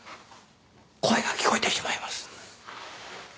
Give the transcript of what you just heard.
声が聞こえてしまいます。